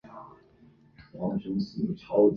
河名衍生出当地镇名琅南塔及省名琅南塔省。